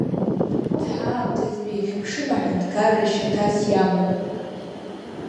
Уи ҳаамҭазтәи ихьыԥшым аҳәынҭқарра шьаҭас иамоуп.